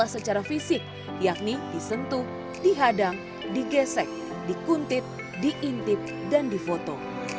secara fisik yakni disentuh dihadang digesek dikuntit diintip dan difoto